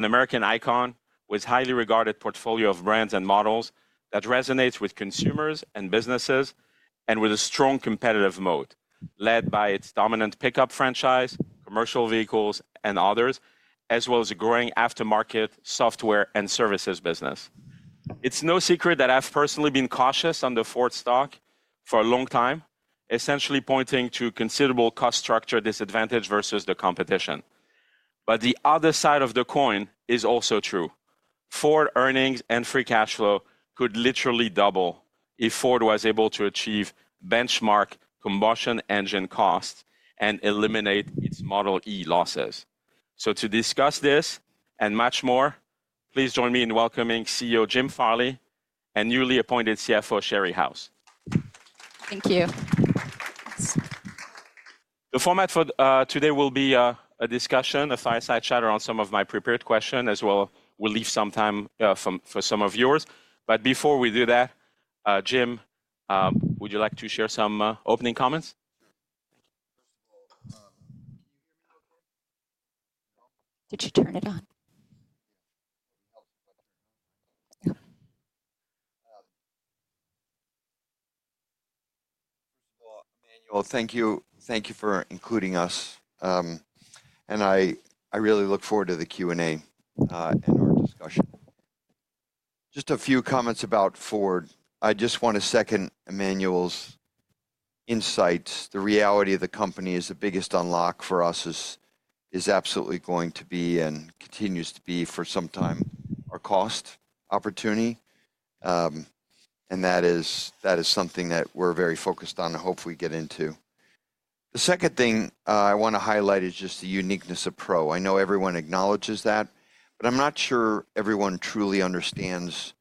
An American icon with a highly regarded portfolio of brands and models that resonates with consumers and businesses, and with a strong competitive moat led by its dominant pickup franchise, commercial vehicles, and others, as well as a growing aftermarket software and services business. It's no secret that I've personally been cautious on the Ford stock for a long time, essentially pointing to considerable cost structure disadvantage versus the competition. But the other side of the coin is also true. Ford earnings and free cash flow could literally double if Ford was able to achieve benchmark combustion engine costs and eliminate its Model e losses. So, to discuss this and much more, please join me in welcoming CEO Jim Farley and newly appointed CFO Sherry House. Thank you. The format for today will be a discussion, a fireside chat around some of my prepared questions, as well as we'll leave some time for some of yours. But before we do that, Jim, would you like to share some opening comments? First of all, can you hear me okay? Did you turn it on? Yeah. First of all, Emmanuel, thank you. Thank you for including us. And I really look forward to the Q&A and our discussion. Just a few comments about Ford. I just want to second Emmanuel's insights. The reality of the company is the biggest unlock for us is absolutely going to be and continues to be for some time our cost opportunity. And that is something that we're very focused on and hopefully get into. The second thing I want to highlight is just the uniqueness of Pro. I know everyone acknowledges that, but I'm not sure everyone truly understands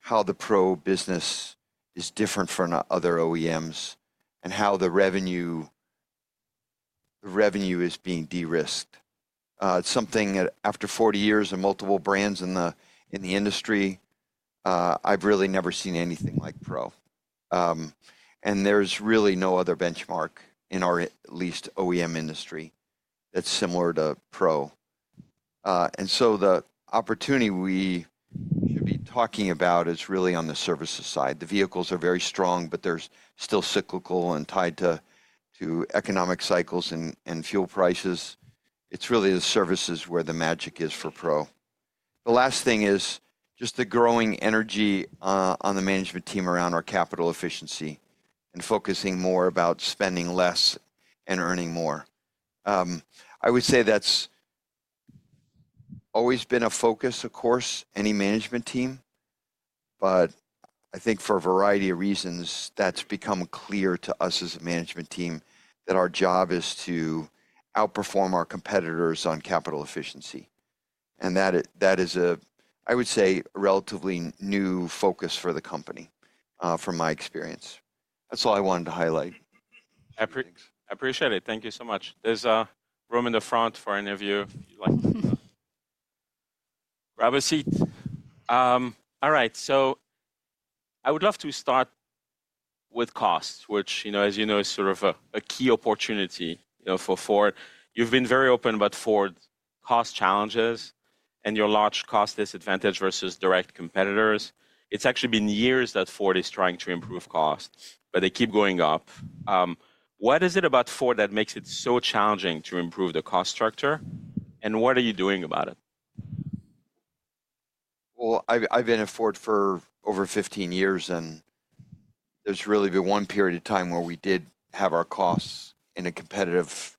how the Pro business is different from other OEMs and how the revenue is being de-risked. It's something that after 40 years and multiple brands in the industry, I've really never seen anything like Pro. And there's really no other benchmark in our, at least, OEM industry that's similar to Pro. And so the opportunity we should be talking about is really on the services side. The vehicles are very strong, but they're still cyclical and tied to economic cycles and fuel prices. It's really the services where the magic is for Pro. The last thing is just the growing energy on the management team around our capital efficiency and focusing more about spending less and earning more. I would say that's always been a focus, of course, any management team. But I think for a variety of reasons, that's become clear to us as a management team that our job is to outperform our competitors on capital efficiency. And that is, I would say, a relatively new focus for the company from my experience. That's all I wanted to highlight. I appreciate it. Thank you so much. There's a room in the front for any of you if you'd like to grab a seat. All right. So I would love to start with costs, which, as you know, is sort of a key opportunity for Ford. You've been very open about Ford's cost challenges and your large cost disadvantage versus direct competitors. It's actually been years that Ford is trying to improve costs, but they keep going up. What is it about Ford that makes it so challenging to improve the cost structure? And what are you doing about it? I've been at Ford for over 15 years, and there's really been one period of time where we did have our costs in a competitive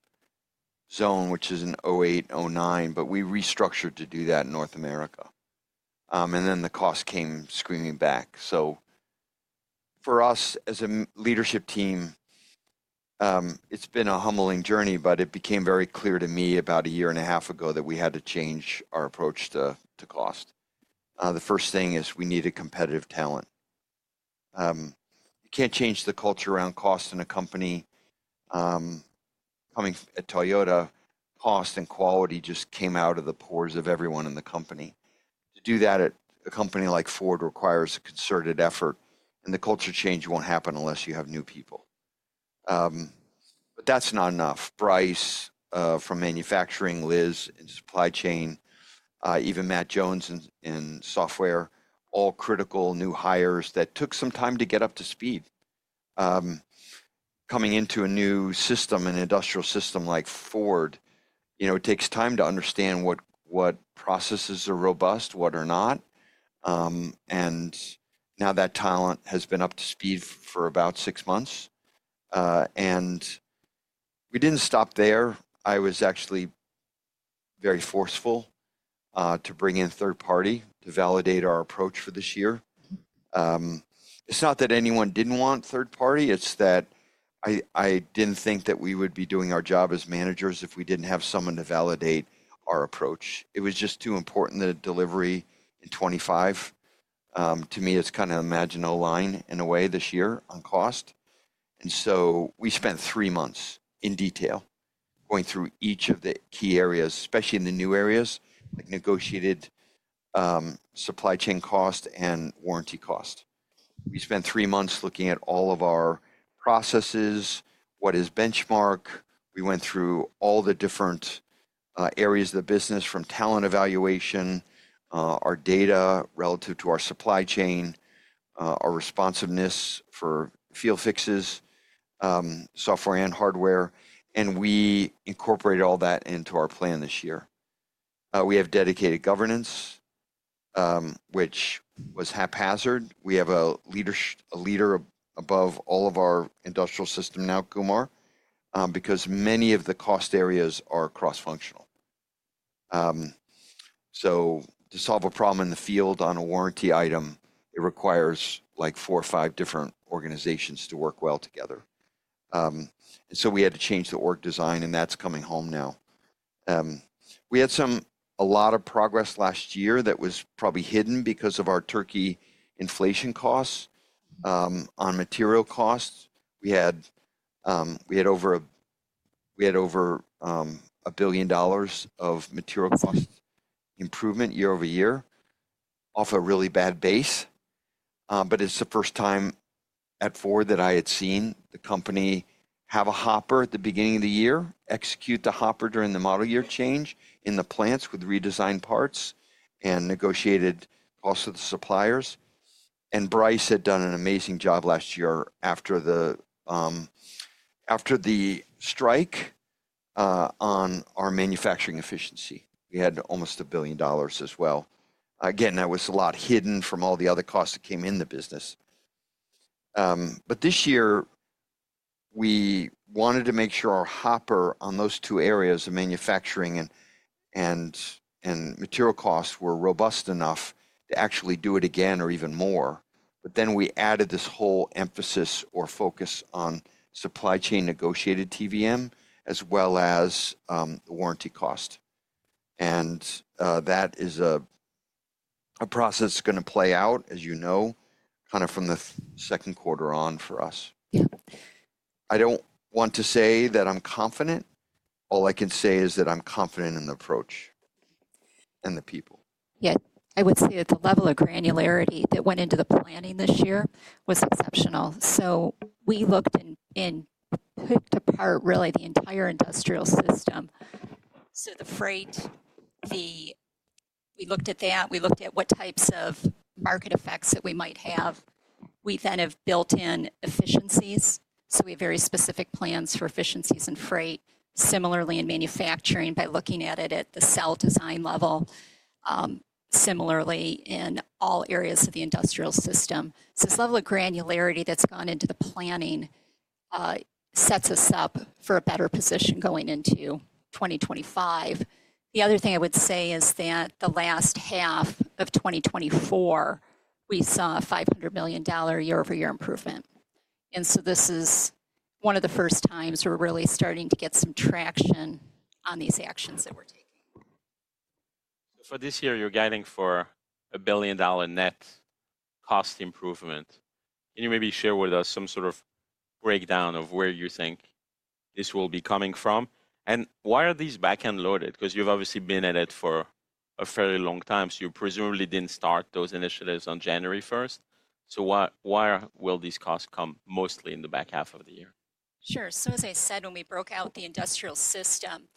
zone, which is in 2008, 2009, but we restructured to do that in North America. Then the costs came screaming back. For us as a leadership team, it's been a humbling journey, but it became very clear to me about a year and a half ago that we had to change our approach to cost. The first thing is we needed competitive talent. You can't change the culture around cost in a company. Coming at Toyota, cost and quality just came out of the pores of everyone in the company. To do that at a company like Ford requires a concerted effort, and the culture change won't happen unless you have new people. That's not enough. Bryce from manufacturing, Liz in supply chain, even Matt Jones in software, all critical new hires that took some time to get up to speed. Coming into a new system, an industrial system like Ford, it takes time to understand what processes are robust, what are not. And now that talent has been up to speed for about six months. And we didn't stop there. I was actually very forceful to bring in third party to validate our approach for this year. It's not that anyone didn't want third party. It's that I didn't think that we would be doing our job as managers if we didn't have someone to validate our approach. It was just too important that delivery in 2025, to me, is kind of a magical line in a way this year on cost. And so we spent three months in detail going through each of the key areas, especially in the new areas, like negotiated supply chain cost and warranty cost. We spent three months looking at all of our processes, what is benchmark. We went through all the different areas of the business from talent evaluation, our data relative to our supply chain, our responsiveness for field fixes, software and hardware. And we incorporated all that into our plan this year. We have dedicated governance, which was haphazard. We have a leader above all of our industrial system now, Kumar, because many of the cost areas are cross-functional. So to solve a problem in the field on a warranty item, it requires like four or five different organizations to work well together. And so we had to change the org design, and that's coming home now. We had a lot of progress last year that was probably hidden because of our Turkey inflation costs on material costs. We had over $1 billion of material cost improvement year over year off a really bad base. But it's the first time at Ford that I had seen the company have a hopper at the beginning of the year, execute the hopper during the model year change in the plants with redesigned parts and negotiated costs with the suppliers. And Bryce had done an amazing job last year after the strike on our manufacturing efficiency. We had almost $1 billion as well. Again, that was a lot hidden from all the other costs that came in the business. But this year, we wanted to make sure our hopper on those two areas of manufacturing and material costs were robust enough to actually do it again or even more. But then we added this whole emphasis or focus on supply chain negotiated TVM as well as warranty cost. And that is a process that's going to play out, as you know, kind of from the second quarter on for us. I don't want to say that I'm confident. All I can say is that I'm confident in the approach and the people. Yeah. I would say that the level of granularity that went into the planning this year was exceptional. So we looked and took apart really the entire industrial system. So the freight. We looked at that. We looked at what types of market effects that we might have. We then have built in efficiencies. So we have very specific plans for efficiencies in freight. Similarly, in manufacturing, by looking at it at the cell design level. Similarly, in all areas of the industrial system. So this level of granularity that's gone into the planning sets us up for a better position going into 2025. The other thing I would say is that the last half of 2024, we saw a $500 million year-over-year improvement. And so this is one of the first times we're really starting to get some traction on these actions that we're taking. So for this year, you're guiding for a $1 billion net cost improvement. Can you maybe share with us some sort of breakdown of where you think this will be coming from? And why are these back-loaded? Because you've obviously been at it for a fairly long time. So you presumably didn't start those initiatives on January 1st. So why will these costs come mostly in the back half of the year? Sure. So as I said, when we broke out the industrial system,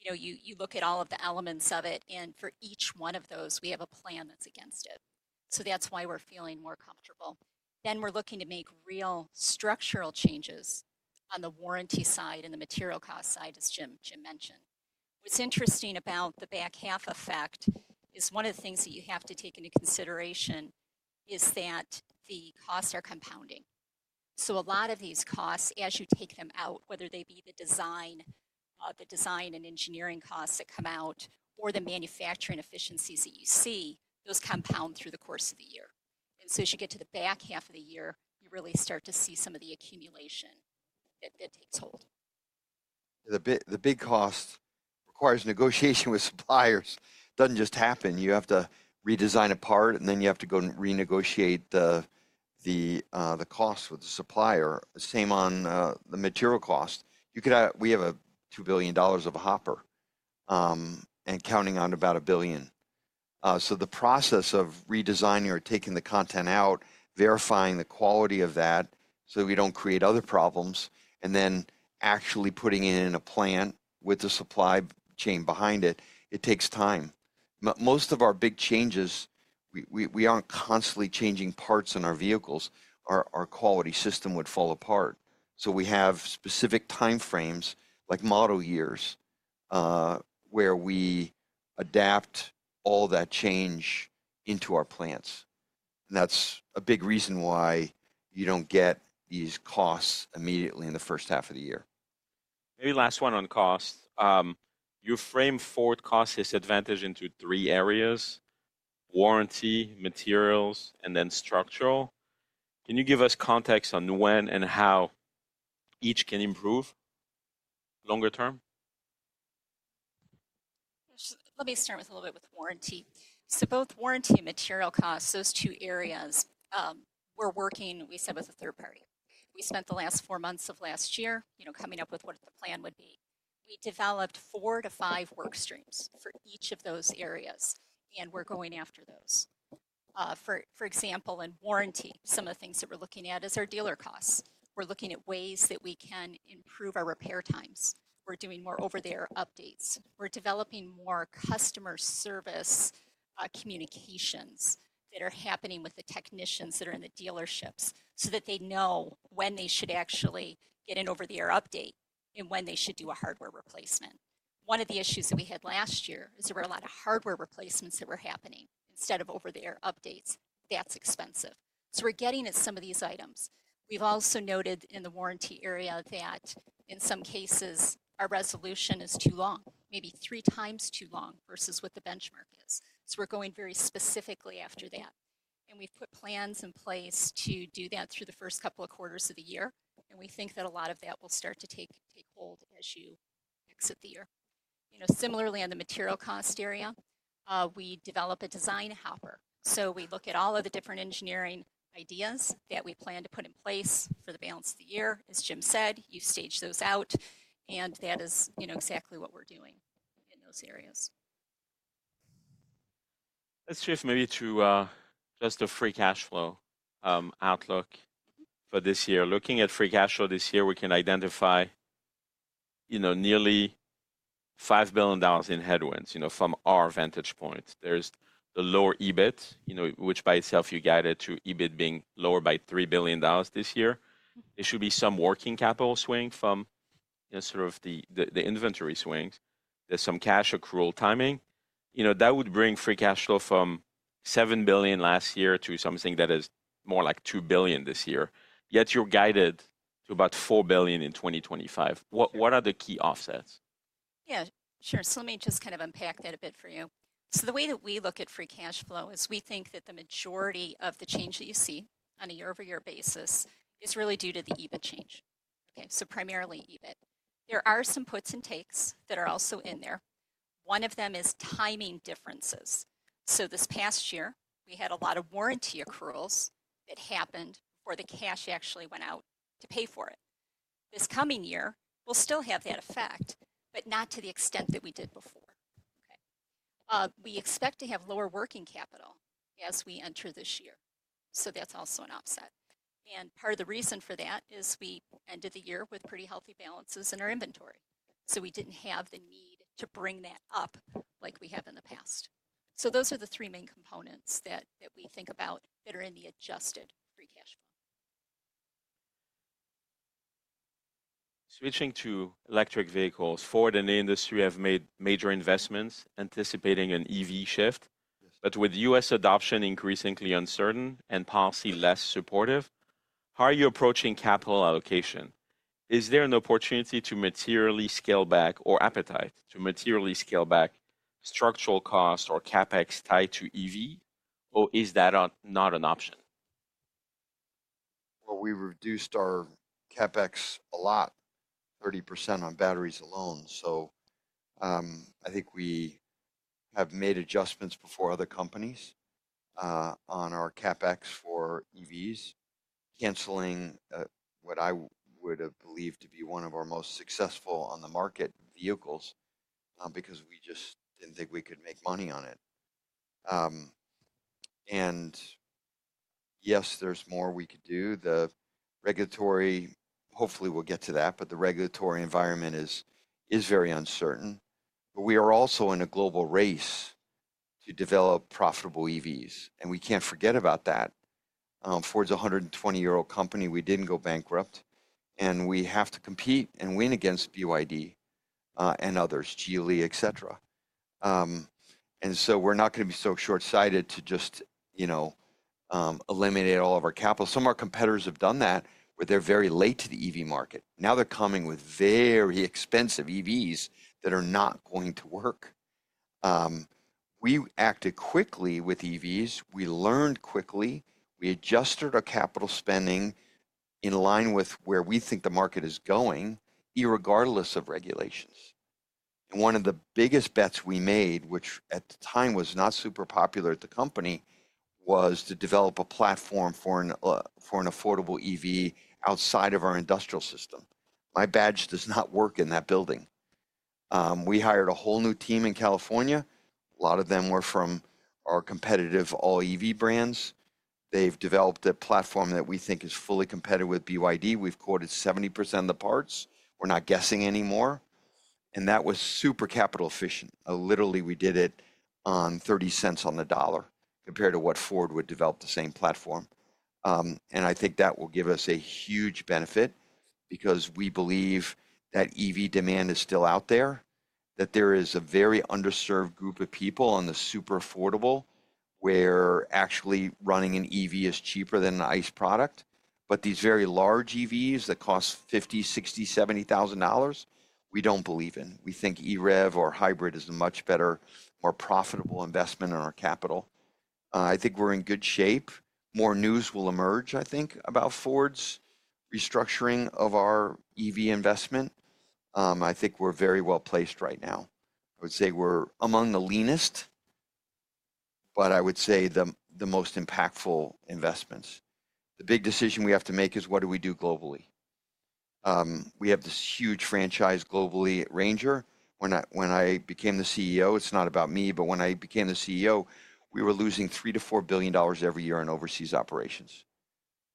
you look at all of the elements of it. And for each one of those, we have a plan that's against it. So that's why we're feeling more comfortable. Then we're looking to make real structural changes on the warranty side and the material cost side, as Jim mentioned. What's interesting about the back half effect is one of the things that you have to take into consideration is that the costs are compounding. So a lot of these costs, as you take them out, whether they be the design and engineering costs that come out or the manufacturing efficiencies that you see, those compound through the course of the year. And so as you get to the back half of the year, you really start to see some of the accumulation that takes hold. The big cost requires negotiation with suppliers. It doesn't just happen. You have to redesign a part, and then you have to go and renegotiate the cost with the supplier. Same on the material cost. We have a $2 billion of a Hopper and counting on about $1 billion, so the process of redesigning or taking the content out, verifying the quality of that so we don't create other problems, and then actually putting it in a plant with the supply chain behind it, it takes time. Most of our big changes, we aren't constantly changing parts in our vehicles. Our quality system would fall apart. So we have specific time frames, like model years, where we adapt all that change into our plants, and that's a big reason why you don't get these costs immediately in the first half of the year. Maybe last one on cost. You frame Ford cost disadvantage into three areas: warranty, materials, and then structural. Can you give us context on when and how each can improve longer term? Let me start with a little bit with warranty. So both warranty and material costs, those two areas, we're working, we said, with a third party. We spent the last four months of last year coming up with what the plan would be. We developed four to five work streams for each of those areas, and we're going after those. For example, in warranty, some of the things that we're looking at is our dealer costs. We're looking at ways that we can improve our repair times. We're doing more over-the-air updates. We're developing more customer service communications that are happening with the technicians that are in the dealerships so that they know when they should actually get an over-the-air update and when they should do a hardware replacement. One of the issues that we had last year is there were a lot of hardware replacements that were happening instead of over-the-air updates. That's expensive, so we're getting at some of these items. We've also noted in the warranty area that in some cases, our resolution is too long, maybe three times too long versus what the benchmark is. So we're going very specifically after that, and we've put plans in place to do that through the first couple of quarters of the year, and we think that a lot of that will start to take hold as you exit the year. Similarly, on the material cost area, we develop a design hopper. So we look at all of the different engineering ideas that we plan to put in place for the balance of the year. As Jim said, you stage those out, and that is exactly what we're doing in those areas. Let's shift maybe to just a free cash flow outlook for this year. Looking at free cash flow this year, we can identify nearly $5 billion in headwinds from our vantage point. There's the lower EBIT, which by itself, you guided to EBIT being lower by $3 billion this year. There should be some working capital swing from sort of the inventory swings. There's some cash accrual timing. That would bring free cash flow from $7 billion last year to something that is more like $2 billion this year. Yet you're guided to about $4 billion in 2025. What are the key offsets? Yeah, sure. So let me just kind of unpack that a bit for you. So the way that we look at free cash flow is we think that the majority of the change that you see on a year-over-year basis is really due to the EBIT change. Okay, so primarily EBIT. There are some puts and takes that are also in there. One of them is timing differences. So this past year, we had a lot of warranty accruals that happened before the cash actually went out to pay for it. This coming year, we'll still have that effect, but not to the extent that we did before. We expect to have lower working capital as we enter this year. So that's also an offset. And part of the reason for that is we ended the year with pretty healthy balances in our inventory. So we didn't have the need to bring that up like we have in the past. So those are the three main components that we think about that are in the adjusted free cash flow. Switching to electric vehicles, Ford and the industry have made major investments anticipating an EV shift. But with U.S. adoption increasingly uncertain and policy less supportive, how are you approaching capital allocation? Is there an opportunity to materially scale back or appetite to materially scale back structural costs or CapEx tied to EV, or is that not an option? We reduced our CapEx a lot, 30% on batteries alone. I think we have made adjustments before other companies on our CapEx for EVs, canceling what I would have believed to be one of our most successful on the market vehicles because we just didn't think we could make money on it. Yes, there's more we could do. The regulatory, hopefully we'll get to that, but the regulatory environment is very uncertain. We are also in a global race to develop profitable EVs. We can't forget about that. Ford's a 120-year-old company. We didn't go bankrupt. We have to compete and win against BYD and others, Geely, etc. We're not going to be so shortsighted to just eliminate all of our capital. Some of our competitors have done that, but they're very late to the EV market. Now they're coming with very expensive EVs that are not going to work. We acted quickly with EVs. We learned quickly. We adjusted our capital spending in line with where we think the market is going, irregardless of regulations. And one of the biggest bets we made, which at the time was not super popular at the company, was to develop a platform for an affordable EV outside of our industrial system. My badge does not work in that building. We hired a whole new team in California. A lot of them were from our competitive all-EV brands. They've developed a platform that we think is fully competitive with BYD. We've quoted 70% of the parts. We're not guessing anymore. And that was super capital efficient. Literally, we did it on $0.30 on the dollar compared to what Ford would develop the same platform. And I think that will give us a huge benefit because we believe that EV demand is still out there, that there is a very underserved group of people on the super affordable where actually running an EV is cheaper than an ICE product. But these very large EVs that cost $50,000, $60,000, $70,000, we don't believe in. We think EREV or hybrid is a much better, more profitable investment in our capital. I think we're in good shape. More news will emerge, I think, about Ford's restructuring of our EV investment. I think we're very well placed right now. I would say we're among the leanest, but I would say the most impactful investments. The big decision we have to make is what do we do globally? We have this huge franchise globally at Ranger. When I became the CEO, it's not about me, but when I became the CEO, we were losing $3 billion-$4 billion every year in overseas operations.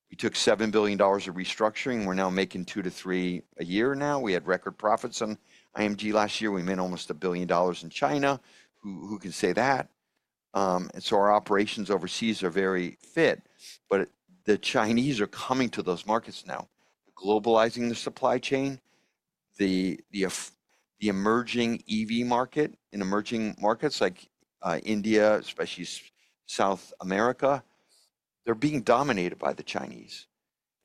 We took $7 billion of restructuring. We're now making $2 billion-$3 billion a year now. We had record profits on IMG last year. We made almost $1 billion in China. Who can say that? And so our operations overseas are very fit, but the Chinese are coming to those markets now, globalizing the supply chain. The emerging EV market in emerging markets like India, especially South America, they're being dominated by the Chinese.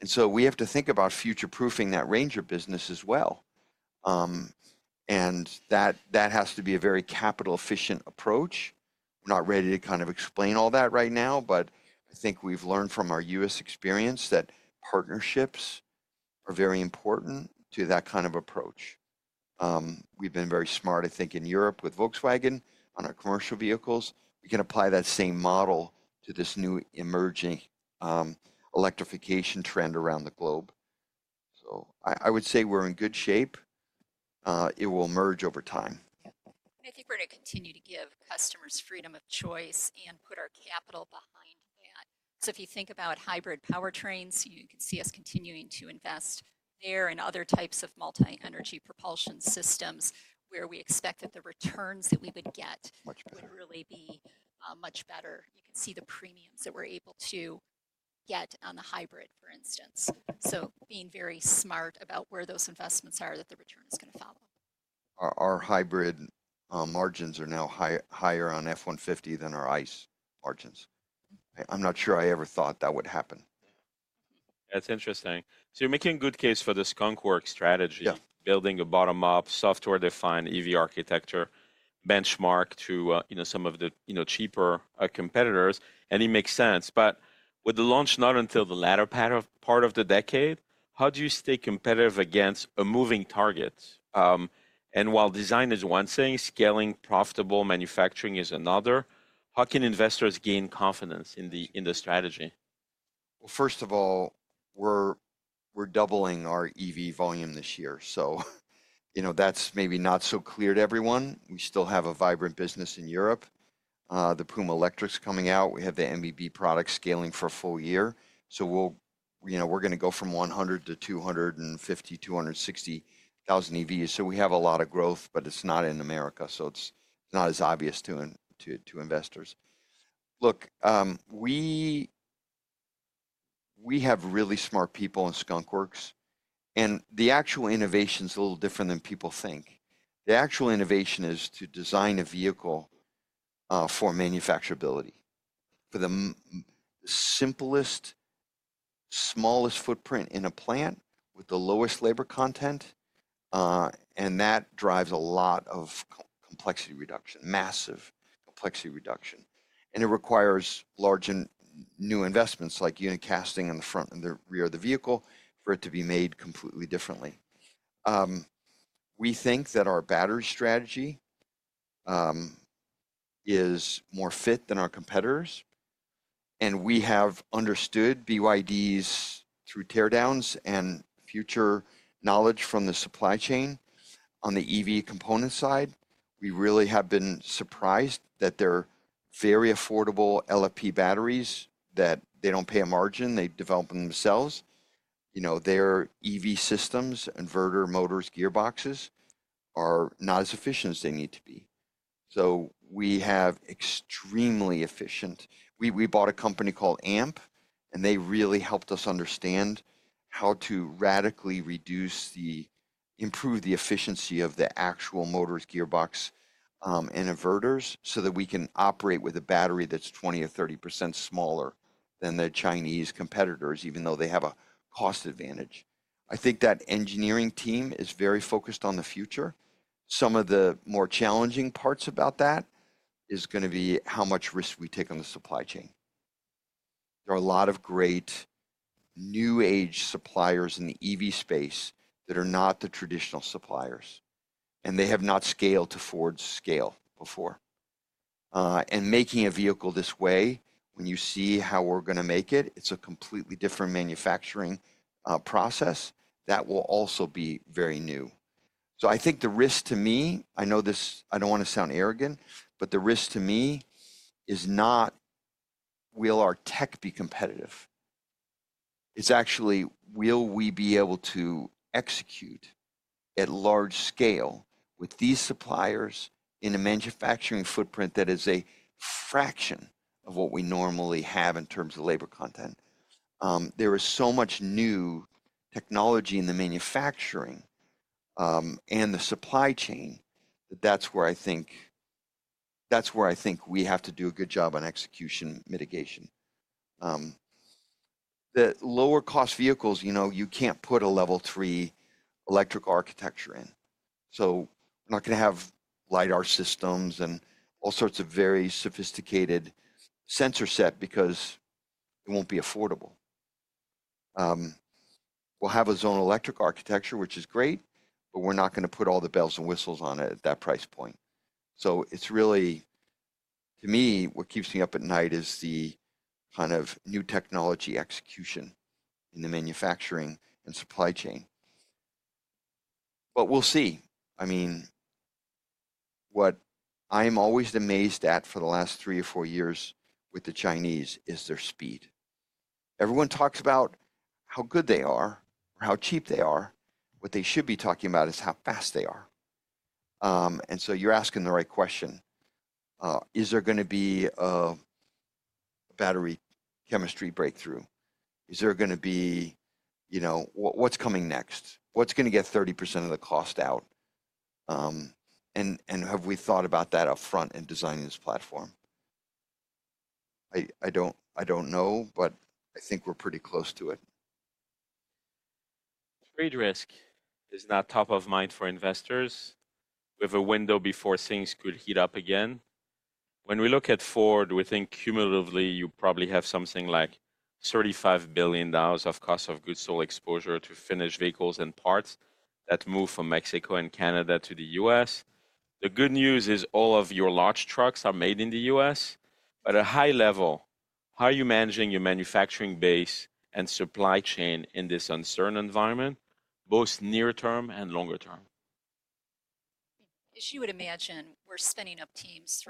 And so we have to think about future-proofing that Ranger business as well. And that has to be a very capital-efficient approach. I'm not ready to kind of explain all that right now, but I think we've learned from our U.S. experience that partnerships are very important to that kind of approach. We've been very smart, I think, in Europe with Volkswagen on our commercial vehicles. We can apply that same model to this new emerging electrification trend around the globe. So I would say we're in good shape. It will emerge over time. I think we're going to continue to give customers freedom of choice and put our capital behind that. So if you think about hybrid powertrains, you can see us continuing to invest there and other types of multi-energy propulsion systems where we expect that the returns that we would get would really be much better. You can see the premiums that we're able to get on the hybrid, for instance. So being very smart about where those investments are, that the return is going to follow. Our hybrid margins are now higher on F-150 than our ICE margins. I'm not sure I ever thought that would happen. That's interesting. So you're making a good case for this Skunkworks strategy, building a bottom-up software-defined EV architecture benchmark to some of the cheaper competitors. And it makes sense. But with the launch not until the latter part of the decade, how do you stay competitive against a moving target? And while design is one thing, scaling profitable manufacturing is another, how can investors gain confidence in the strategy? First of all, we're doubling our EV volume this year. That's maybe not so clear to everyone. We still have a vibrant business in Europe. The Puma Electric's coming out. We have the MEB product scaling for a full year. We're going to go from 100 to 250, 260,000 EVs. We have a lot of growth, but it's not in America. It's not as obvious to investors. Look, we have really smart people in Skunkworks. The actual innovation is a little different than people think. The actual innovation is to design a vehicle for manufacturability for the simplest, smallest footprint in a plant with the lowest labor content. That drives a lot of complexity reduction, massive complexity reduction. It requires large new investments like unit casting on the front and the rear of the vehicle for it to be made completely differently. We think that our battery strategy is more fit than our competitors. We have understood BYD's through teardowns and future knowledge from the supply chain on the EV component side. We really have been surprised that their very affordable LFP batteries that they don't pay a margin, they develop them themselves. Their EV systems, inverter motors, gearboxes are not as efficient as they need to be. We have extremely efficient. We bought a company called AMP, and they really helped us understand how to radically improve the efficiency of the actual motors, gearbox, and inverters so that we can operate with a battery that's 20% or 30% smaller than the Chinese competitors, even though they have a cost advantage. I think that engineering team is very focused on the future. Some of the more challenging parts about that is going to be how much risk we take on the supply chain. There are a lot of great new-age suppliers in the EV space that are not the traditional suppliers. And they have not scaled to Ford's scale before. And making a vehicle this way, when you see how we're going to make it, it's a completely different manufacturing process that will also be very new. So I think the risk to me, I know this, I don't want to sound arrogant, but the risk to me is not, will our tech be competitive? It's actually, will we be able to execute at large scale with these suppliers in a manufacturing footprint that is a fraction of what we normally have in terms of labor content? There is so much new technology in the manufacturing and the supply chain that that's where I think we have to do a good job on execution mitigation. The lower-cost vehicles, you can't put a Level 3 electric architecture in. So we're not going to have LiDAR systems and all sorts of very sophisticated sensor set because it won't be affordable. We'll have a zone electric architecture, which is great, but we're not going to put all the bells and whistles on it at that price point. So it's really, to me, what keeps me up at night is the kind of new technology execution in the manufacturing and supply chain. But we'll see. I mean, what I'm always amazed at for the last three or four years with the Chinese is their speed. Everyone talks about how good they are or how cheap they are. What they should be talking about is how fast they are, and so you're asking the right question. Is there going to be a battery chemistry breakthrough? Is there going to be what's coming next? What's going to get 30% of the cost out? And have we thought about that upfront in designing this platform? I don't know, but I think we're pretty close to it. Trade risk is not top of mind for investors. We have a window before things could heat up again. When we look at Ford, we think cumulatively you probably have something like $35 billion of cost of goods sold exposure to finished vehicles and parts that move from Mexico and Canada to the U.S. The good news is all of your large trucks are made in the U.S. But at a high level, how are you managing your manufacturing base and supply chain in this uncertain environment, both near-term and longer-term? As you would imagine, we're spinning up teams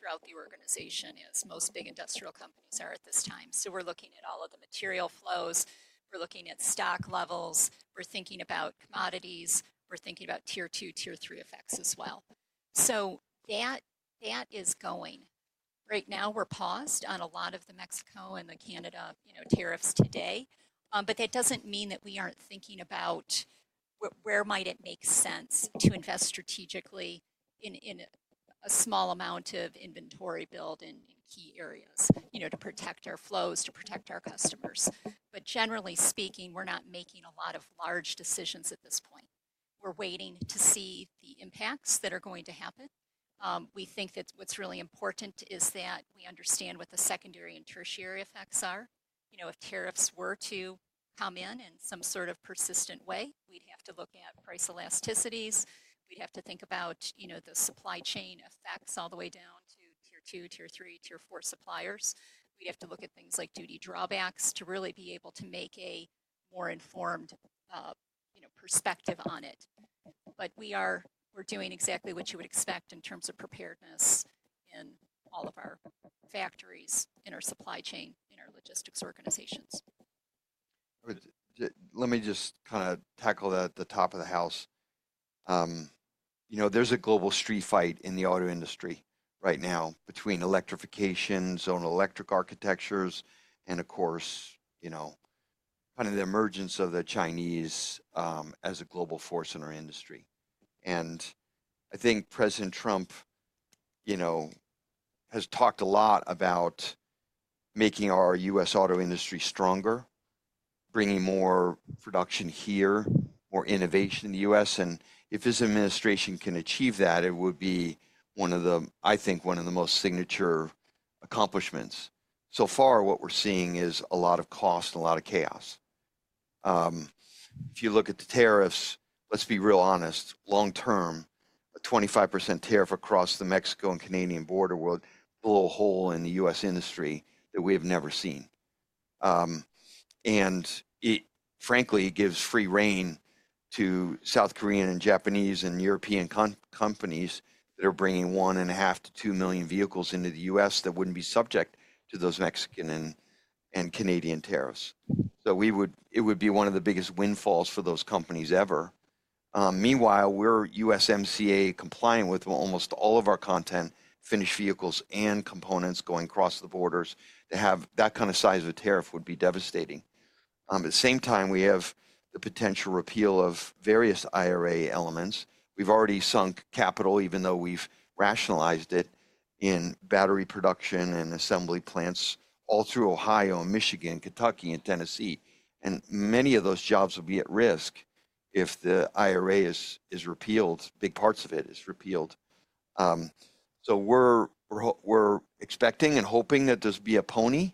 throughout the organization, as most big industrial companies are at this time, so we're looking at all of the material flows. We're looking at stock levels. We're thinking about commodities. We're thinking about Tier 2, Tier 3 effects as well, so that is going. Right now, we're paused on a lot of the Mexico and the Canada tariffs today, but that doesn't mean that we aren't thinking about where might it make sense to invest strategically in a small amount of inventory build in key areas to protect our flows, to protect our customers, but generally speaking, we're not making a lot of large decisions at this point. We're waiting to see the impacts that are going to happen. We think that what's really important is that we understand what the secondary and tertiary effects are. If tariffs were to come in in some sort of persistent way, we'd have to look at price elasticities. We'd have to think about the supply chain effects all the way down to Tier 2, Tier 3, Tier 4 suppliers. We'd have to look at things like duty drawbacks to really be able to make a more informed perspective on it. But we're doing exactly what you would expect in terms of preparedness in all of our factories, in our supply chain, in our logistics organizations. Let me just kind of tackle that at the top of the house. There's a global street fight in the auto industry right now between electrification, zone electric architectures, and of course, kind of the emergence of the Chinese as a global force in our industry. And I think President Trump has talked a lot about making our U.S. auto industry stronger, bringing more production here, more innovation in the U.S. And if his administration can achieve that, it would be, I think, one of the most signature accomplishments. So far, what we're seeing is a lot of cost and a lot of chaos. If you look at the tariffs, let's be real honest, long-term, a 25% tariff across the Mexican and Canadian border will put a little hole in the U.S. industry that we have never seen. Frankly, it gives free rein to South Korean and Japanese and European companies that are bringing one and a half to two million vehicles into the U.S. that wouldn't be subject to those Mexican and Canadian tariffs. It would be one of the biggest windfalls for those companies ever. Meanwhile, we're USMCA compliant with almost all of our content, finished vehicles and components going across the borders. To have that kind of size of a tariff would be devastating. At the same time, we have the potential repeal of various IRA elements. We've already sunk capital, even though we've rationalized it in battery production and assembly plants all through Ohio and Michigan, Kentucky, and Tennessee. Many of those jobs will be at risk if the IRA is repealed, big parts of it is repealed. We're expecting and hoping that there'll be a pony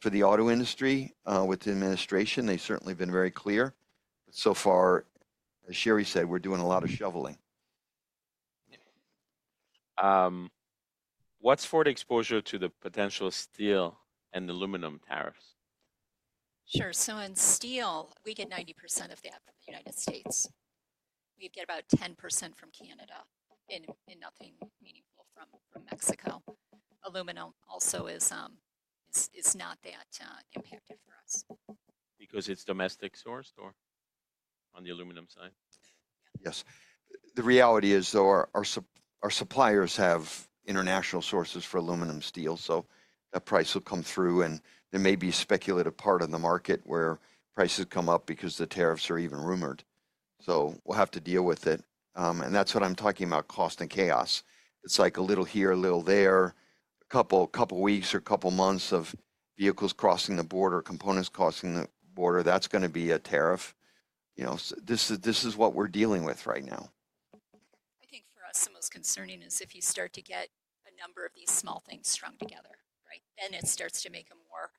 for the auto industry with the administration. They've certainly been very clear. But so far, as Sherry said, we're doing a lot of shoveling. What's Ford's exposure to the potential steel and aluminum tariffs? Sure. So in steel, we get 90% of that from the United States. We get about 10% from Canada and nothing meaningful from Mexico. Aluminum also is not that impacted for us. Because it's domestic sourced or on the aluminum side? Yes. The reality is, though, our suppliers have international sources for aluminum steel. So that price will come through. And there may be a speculative part of the market where prices come up because the tariffs are even rumored. So we'll have to deal with it. And that's what I'm talking about, cost and chaos. It's like a little here, a little there, a couple of weeks or a couple of months of vehicles crossing the border, components crossing the border. That's going to be a tariff. This is what we're dealing with right now. I think for us, the most concerning is if you start to get a number of these small things strung together, right? Then it starts to make a more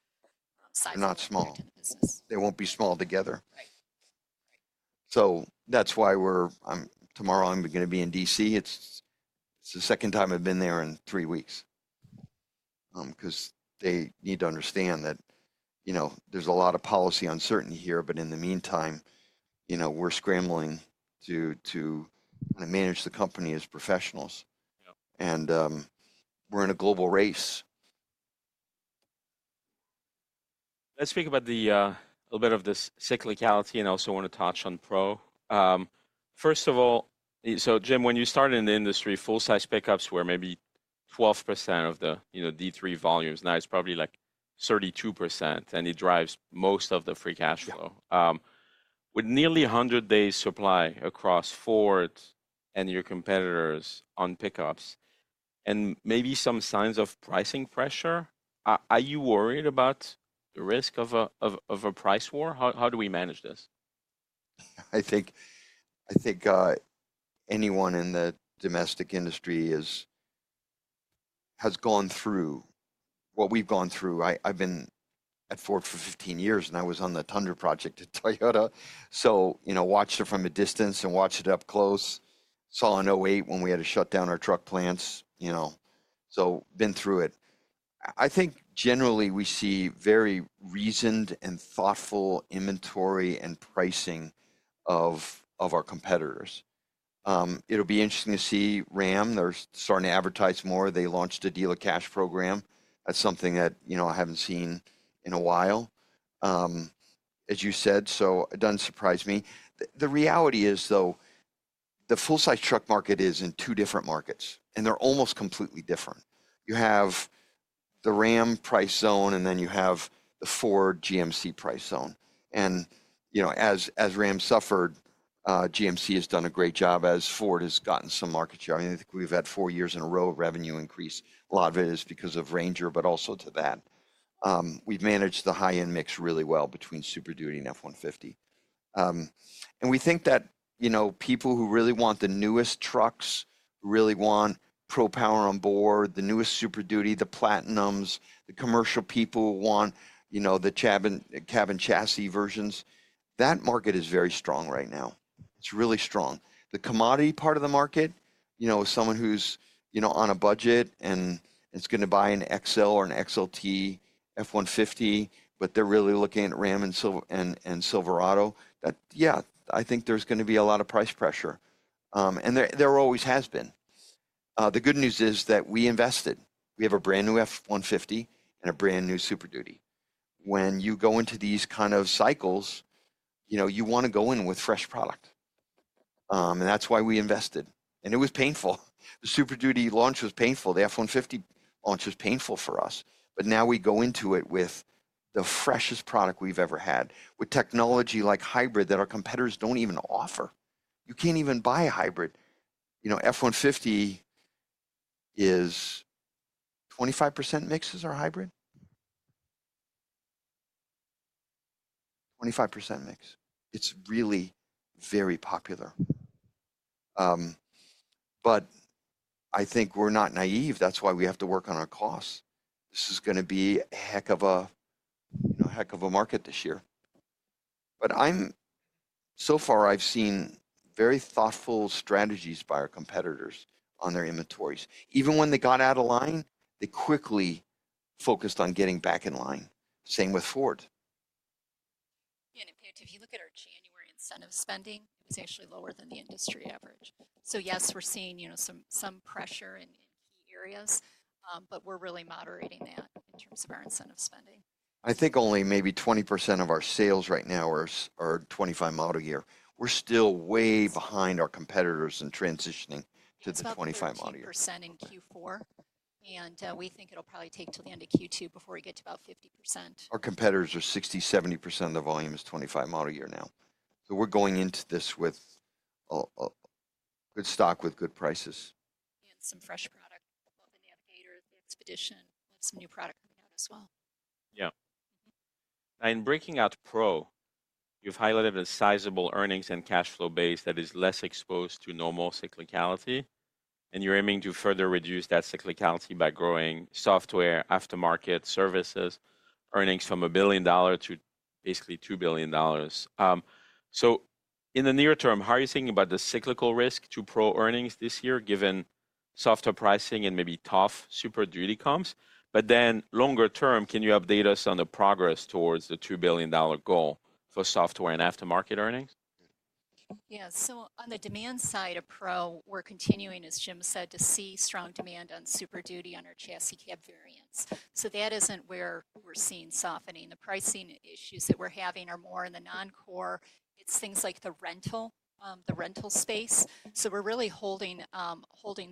sizable impact on the business. They won't be small together. So that's why tomorrow I'm going to be in D.C. It's the second time I've been there in three weeks because they need to understand that there's a lot of policy uncertainty here. But in the meantime, we're scrambling to manage the company as professionals. And we're in a global race. Let's speak about a little bit of this cyclicality and also want to touch on Pro. First of all, so Jim, when you started in the industry, full-size pickups were maybe 12% of the D3 volumes. Now it's probably like 32%, and it drives most of the free cash flow. With nearly 100-day supply across Ford and your competitors on pickups and maybe some signs of pricing pressure, are you worried about the risk of a price war? How do we manage this? I think anyone in the domestic industry has gone through what we've gone through. I've been at Ford for 15 years, and I was on the Tundra project at Toyota, so I watched it from a distance and watched it up close. I saw in 2008 when we had to shut down our truck plants, so I've been through it. I think generally we see very reasoned and thoughtful inventory and pricing of our competitors. It'll be interesting to see Ram. They're starting to advertise more. They launched a dealer cash program. That's something that I haven't seen in a while, as you said, so it doesn't surprise me. The reality is, though, the full-size truck market is in two different markets, and they're almost completely different. You have the Ram price zone, and then you have the Ford GMC price zone. And as Ram suffered, GMC has done a great job, as Ford has gotten some market share. I mean, I think we've had four years in a row of revenue increase. A lot of it is because of Ranger, but also to that. We've managed the high-end mix really well between Super Duty and F-150. And we think that people who really want the newest trucks, who really want Pro Power Onboard, the newest Super Duty, the Platinums, the commercial people want the cab and chassis versions. That market is very strong right now. It's really strong. The commodity part of the market, someone who's on a budget and is going to buy an XL or an XLT F-150, but they're really looking at Ram and Silverado, yeah, I think there's going to be a lot of price pressure. And there always has been. The good news is that we invested. We have a brand new F-150 and a brand new Super Duty. When you go into these kind of cycles, you want to go in with fresh product. And that's why we invested. And it was painful. The Super Duty launch was painful. The F-150 launch was painful for us. But now we go into it with the freshest product we've ever had, with technology like hybrid that our competitors don't even offer. You can't even buy a hybrid F-150. Is 25% mix or hybrid? 25% mix. It's really very popular. But I think we're not naive. That's why we have to work on our costs. This is going to be a heck of a market this year. But so far, I've seen very thoughtful strategies by our competitors on their inventories. Even when they got out of line, they quickly focused on getting back in line. Same with Ford. Yeah. And if you look at our January incentive spending, it was actually lower than the industry average. So yes, we're seeing some pressure in key areas, but we're really moderating that in terms of our incentive spending. I think only maybe 20% of our sales right now are 2025-model year. We're still way behind our competitors in transitioning to the 2025-model year. 70% in Q4. And we think it'll probably take till the end of Q2 before we get to about 50%. Our competitors are 60%-70% of the volume is 2025 model year now. So we're going into this with good stock with good prices. Some fresh product called the Navigator, the Expedition, with some new product coming out as well. Yeah. And breaking out to Pro, you've highlighted a sizable earnings and cash flow base that is less exposed to normal cyclicality. And you're aiming to further reduce that cyclicality by growing software, aftermarket services, earnings from $1 billion to basically $2 billion. So in the near term, how are you thinking about the cyclical risk to Pro earnings this year given softer pricing and maybe tough Super Duty comps? But then longer term, can you update us on the progress towards the $2 billion goal for software and aftermarket earnings? Yeah. So on the demand side of Pro, we're continuing, as Jim said, to see strong demand on Super Duty on our chassis cab variants. So that isn't where we're seeing softening. The pricing issues that we're having are more in the non-core. It's things like the rental, the rental space. So we're really holding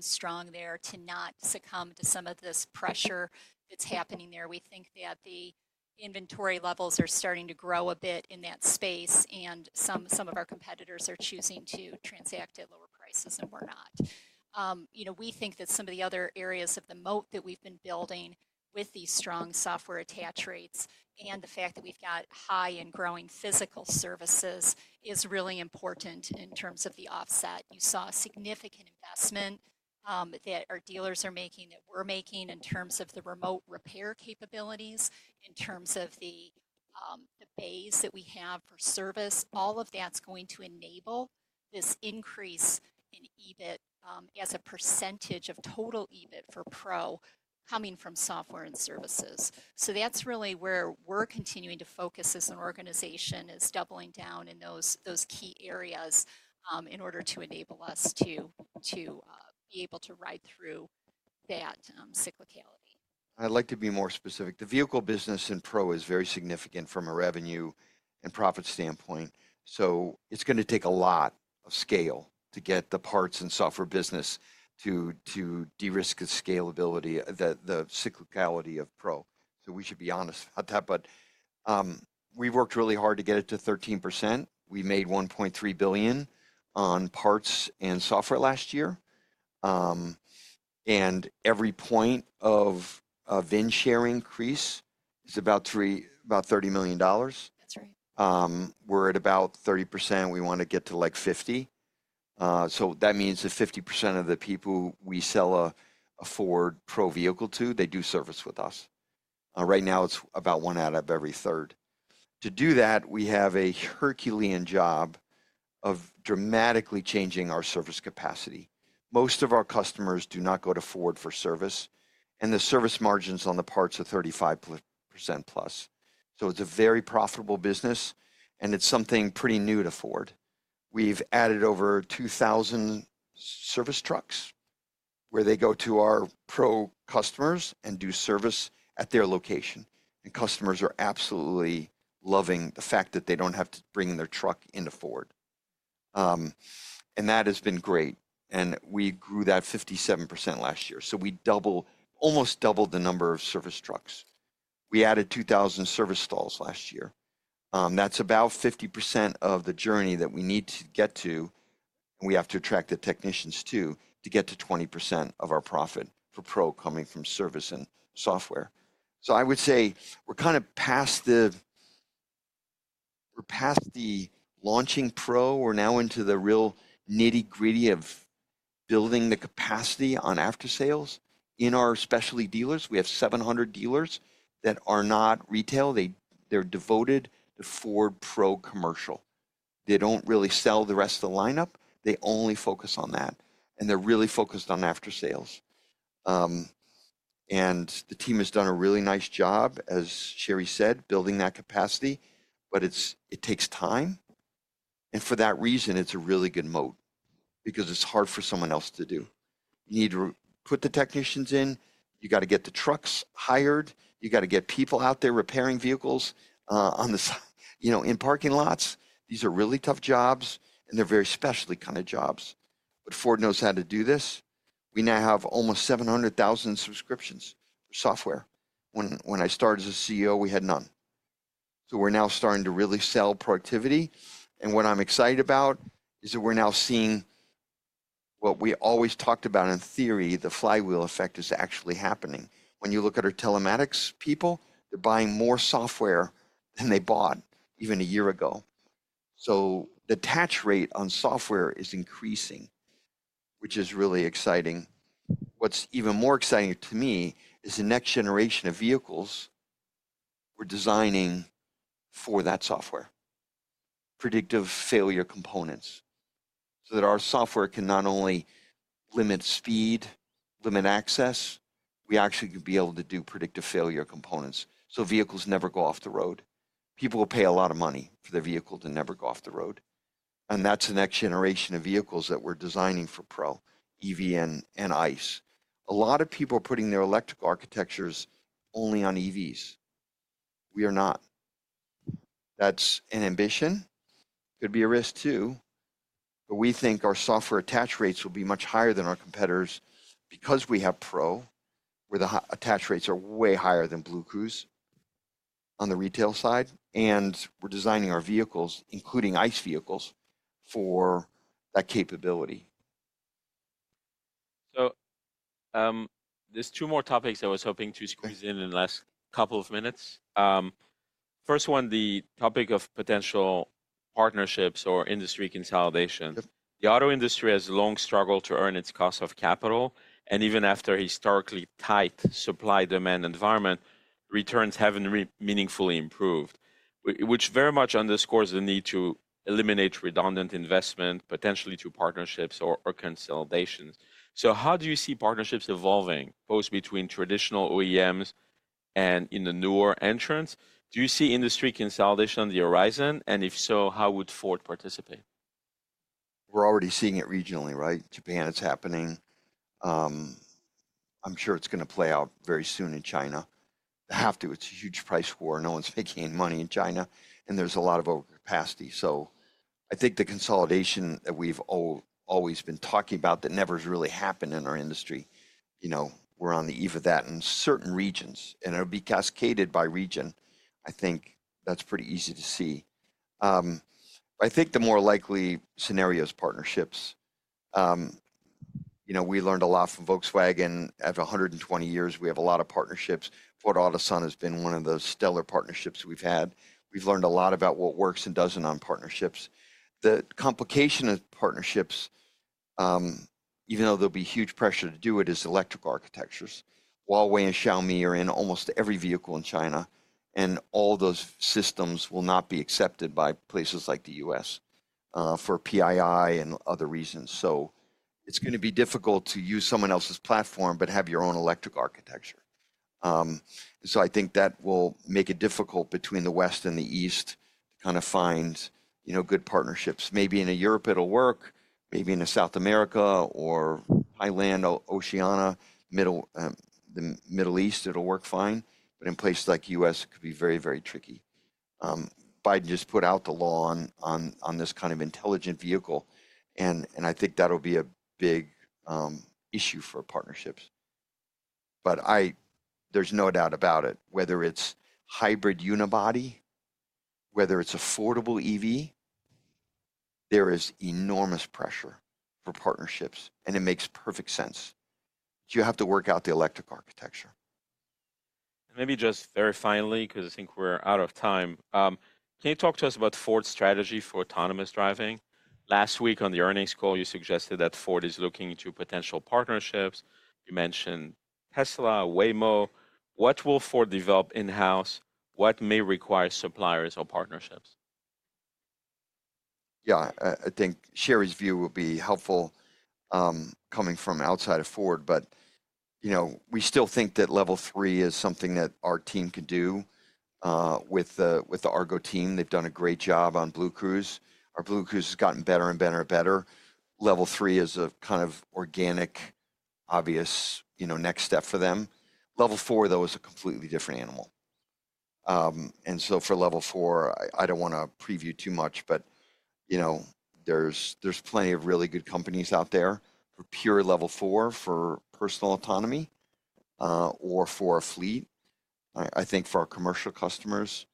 strong there to not succumb to some of this pressure that's happening there. We think that the inventory levels are starting to grow a bit in that space, and some of our competitors are choosing to transact at lower prices than we're not. We think that some of the other areas of the moat that we've been building with these strong software attach rates and the fact that we've got high and growing physical services is really important in terms of the offset. You saw significant investment that our dealers are making, that we're making in terms of the remote repair capabilities, in terms of the bays that we have for service. All of that's going to enable this increase in EBIT as a percentage of total EBIT for Pro coming from software and services. So that's really where we're continuing to focus as an organization is doubling down in those key areas in order to enable us to be able to ride through that cyclicality. I'd like to be more specific. The vehicle business in Pro is very significant from a revenue and profit standpoint. So it's going to take a lot of scale to get the parts and software business to de-risk the scalability, the cyclicality of Pro. So we should be honest about that. But we've worked really hard to get it to 13%. We made $1.3 billion on parts and software last year. And every point of VIN share increase is about $30 million. That's right. We're at about 30%. We want to get to like 50%. So that means that 50% of the people we sell a Ford Pro vehicle to, they do service with us. Right now, it's about one out of every third. To do that, we have a Herculean job of dramatically changing our service capacity. Most of our customers do not go to Ford for service. And the service margins on the parts are 35%+. So it's a very profitable business, and it's something pretty new to Ford. We've added over 2,000 service trucks where they go to our Pro customers and do service at their location. And customers are absolutely loving the fact that they don't have to bring their truck into Ford. And that has been great. And we grew that 57% last year. So we almost doubled the number of service trucks. We added 2,000 service stalls last year. That's about 50% of the journey that we need to get to. And we have to attract the technicians too to get to 20% of our profit for Pro coming from service and software. So I would say we're kind of past the launching Pro. We're now into the real nitty-gritty of building the capacity on after-sales in our specialty dealers. We have 700 dealers that are not retail. They're devoted to Ford Pro commercial. They don't really sell the rest of the lineup. They only focus on that. And they're really focused on after-sales. And the team has done a really nice job, as Sherry said, building that capacity. But it takes time. And for that reason, it's a really good moat because it's hard for someone else to do. You need to put the technicians in. You got to get the trucks hired. You got to get people out there repairing vehicles in parking lots. These are really tough jobs, and they're very specialty kind of jobs. But Ford knows how to do this. We now have almost 700,000 subscriptions for software. When I started as a CEO, we had none. So we're now starting to really sell productivity. And what I'm excited about is that we're now seeing what we always talked about in theory, the flywheel effect is actually happening. When you look at our telematics people, they're buying more software than they bought even a year ago. So the attach rate on software is increasing, which is really exciting. What's even more exciting to me is the next generation of vehicles we're designing for that software, predictive failure components, so that our software can not only limit speed, limit access, we actually could be able to do predictive failure components. So vehicles never go off the road. People will pay a lot of money for their vehicle to never go off the road. That's the next generation of vehicles that we're designing for Pro, EV and ICE. A lot of people are putting their electric architectures only on EVs. We are not. That's an ambition. Could be a risk too. We think our software attach rates will be much higher than our competitors because we have Pro where the attach rates are way higher than BlueCruise on the retail side. We're designing our vehicles, including ICE vehicles, for that capability. So there's two more topics I was hoping to squeeze in in the last couple of minutes. First one, the topic of potential partnerships or industry consolidation. The auto industry has long struggled to earn its cost of capital. And even after a historically tight supply-demand environment, returns haven't meaningfully improved, which very much underscores the need to eliminate redundant investment, potentially through partnerships or consolidations. So how do you see partnerships evolving both between traditional OEMs and in the newer entrants? Do you see industry consolidation on the horizon? And if so, how would Ford participate? We're already seeing it regionally, right? Japan is happening. I'm sure it's going to play out very soon in China. It's a huge price war. No one's making any money in China. And there's a lot of overcapacity. So I think the consolidation that we've always been talking about that never has really happened in our industry, we're on the eve of that in certain regions. And it'll be cascaded by region. I think that's pretty easy to see. But I think the more likely scenario is partnerships. We learned a lot from Volkswagen. At 120 years, we have a lot of partnerships. Ford Otosan has been one of the stellar partnerships we've had. We've learned a lot about what works and doesn't on partnerships. The complication of partnerships, even though there'll be huge pressure to do it, is electric architectures. Huawei and Xiaomi are in almost every vehicle in China, and all those systems will not be accepted by places like the U.S. for PII and other reasons, so it's going to be difficult to use someone else's platform but have your own electric architecture, so I think that will make it difficult between the West and the East to kind of find good partnerships. Maybe in Europe, it'll work. Maybe in South America or Thailand, Oceania, the Middle East, it'll work fine, but in places like the U.S., it could be very, very tricky. Biden just put out the law on this kind of intelligent vehicle, and I think that'll be a big issue for partnerships, but there's no doubt about it. Whether it's hybrid unibody, whether it's affordable EV, there is enormous pressure for partnerships, and it makes perfect sense. You have to work out the electric architecture. And maybe just very finally, because I think we're out of time, can you talk to us about Ford's strategy for autonomous driving? Last week on the earnings call, you suggested that Ford is looking into potential partnerships. You mentioned Tesla, Waymo. What will Ford develop in-house? What may require suppliers or partnerships? Yeah. I think Sherry's view will be helpful coming from outside of Ford. But we still think that Level 3 is something that our team can do with the Argo team. They've done a great job on BlueCruise. Our BlueCruise has gotten better and better and better. Level 3 is a kind of organic, obvious next step for them. Level 4, though, is a completely different animal. And so for Level 4, I don't want to preview too much, but there's plenty of really good companies out there for pure Level 4 for personal autonomy or for a fleet. I think for our commercial customers,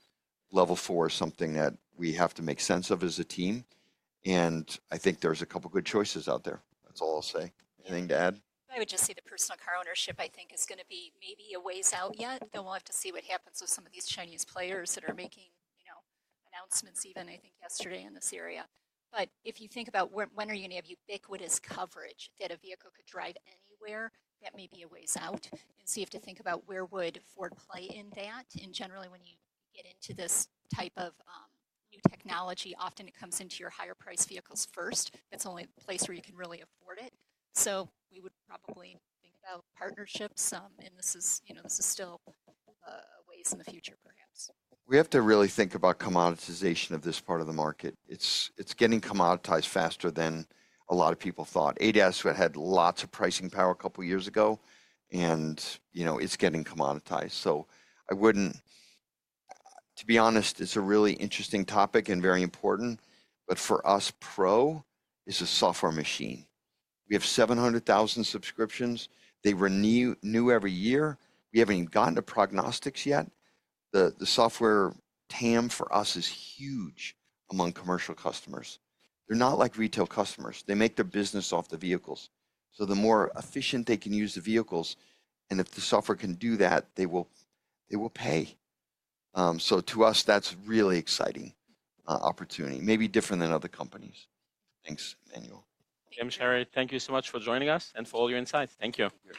Level 4 is something that we have to make sense of as a team. And I think there's a couple of good choices out there. That's all I'll say. Anything to add? I would just say the personal car ownership, I think, is going to be maybe a ways out yet. Then we'll have to see what happens with some of these Chinese players that are making announcements even, I think, yesterday in this area. But if you think about when are you going to have ubiquitous coverage that a vehicle could drive anywhere, that may be a ways out. And so you have to think about where would Ford play in that. And generally, when you get into this type of new technology, often it comes into your higher-priced vehicles first. That's only the place where you can really afford it. So we would probably think about partnerships. And this is still a ways in the future, perhaps. We have to really think about commoditization of this part of the market. It's getting commoditized faster than a lot of people thought. ADAS had lots of pricing power a couple of years ago, and it's getting commoditized. So I wouldn't, to be honest. It's a really interesting topic and very important. But for us, Pro is a software machine. We have 700,000 subscriptions. They renew every year. We haven't even gotten to prognostics yet. The software TAM for us is huge among commercial customers. They're not like retail customers. They make their business off the vehicles. So the more efficient they can use the vehicles, and if the software can do that, they will pay. So to us, that's a really exciting opportunity, maybe different than other companies. Thanks, Emmanuel. Jim, Sherry, thank you so much for joining us and for all your insights. Thank you.